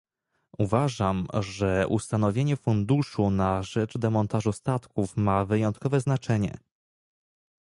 Uważam, że ustanowienie funduszu na rzecz demontażu statków ma wyjątkowe znaczenie